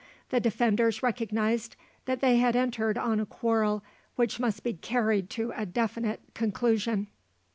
The defenders recognised that they had entered on a quarrel which must be carried to a definite conclusion.